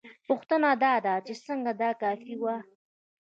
پوښتنه دا ده چې څنګه دا کافي وه؟